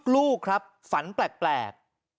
ลูกครับฝันแปลก